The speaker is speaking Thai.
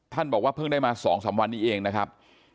บอกว่าเพิ่งได้มา๒๓วันนี้เองนะครับ